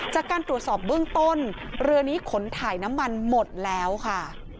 จากการตรวจสอบเบื้องต้นเรือนี้ขนถ่ายน้ำมันหมดแล้วค่ะ